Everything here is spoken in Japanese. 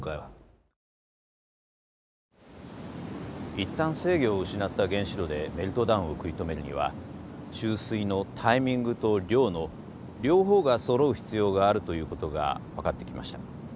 一旦制御を失った原子炉でメルトダウンを食い止めるには注水のタイミングと量の両方がそろう必要があるということが分かってきました。